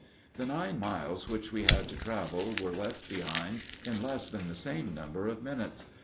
The nine miles which we had to travel were left behind in less than the same number of minutes.